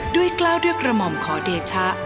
กล้าวด้วยกระหม่อมขอเดชะ